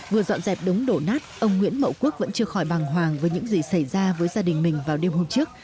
vừa dọn dẹp đống đổ nát ông nguyễn mậu quốc vẫn chưa khỏi bằng hoàng với những gì xảy ra với gia đình mình vào đêm hôm trước